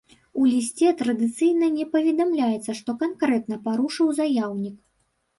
У лісце традыцыйна не паведамляецца, што канкрэтна парушыў заяўнік.